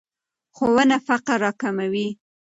ښوونه فقر راکموي.